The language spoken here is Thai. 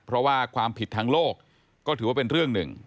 เพราะว่าความผิดทางโลกก็ถือว่าเป็นเรื่องหนึ่ง